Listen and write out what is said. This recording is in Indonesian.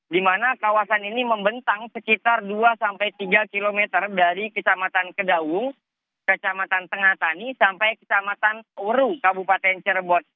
di mana kawasan ini membentang sekitar dua sampai tiga km dari kecamatan kedaung kecamatan tengah tani sampai kecamatan urung kabupaten cirebon